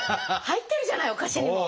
入ってるじゃないお菓子にも。